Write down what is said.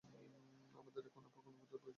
আমাদের এখন আর ফোন বুথের জন্য দৌড়াতে হয় না।